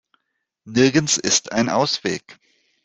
Nirgends ist ein Ausweg.